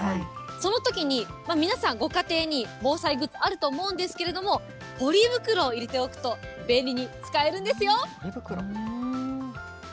そのときに皆さん、ご家庭に防災グッズ、あると思うんですけれども、ポリ袋を入れておくと、便利に使えるんですよ。